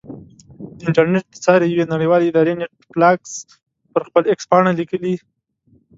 د انټرنېټ د څار یوې نړیوالې ادارې نېټ بلاکس پر خپل ایکس پاڼه لیکلي.